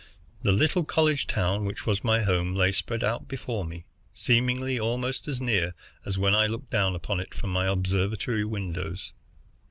The little college town which was my home lay spread out before me, seemingly almost as near as when I looked down upon it from my observatory windows.